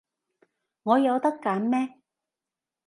我有得揀咩？